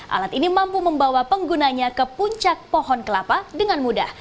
alat ini mampu membawa penggunanya ke puncak pohon kelapa dengan mudah